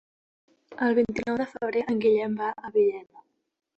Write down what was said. El vint-i-nou de febrer en Guillem va a Villena.